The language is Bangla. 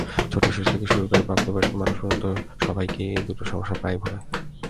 ছোট শিশু থেকে শুরু করে প্রাপ্তবয়স্ক মানুষ পর্যন্ত সবাইকেই এই দুটি সমস্যা প্রায়ই ভোগায়।